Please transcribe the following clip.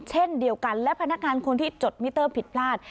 เช่นเดียวกันและพนักงานคนที่จดมิเตอร์ผิดพลาด